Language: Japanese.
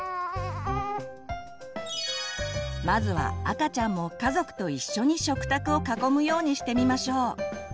まずは赤ちゃんも家族と一緒に食卓を囲むようにしてみましょう。